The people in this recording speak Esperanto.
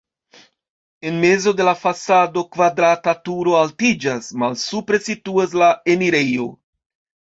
En mezo de la fasado kvadrata turo altiĝas, malsupre situas la enirejo.